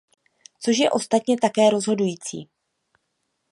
Což je ostatně také rozhodující.